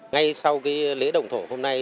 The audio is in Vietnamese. ngay sau lễ đồng thổ hôm nay